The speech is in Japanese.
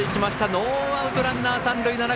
ノーアウトランナー、三塁。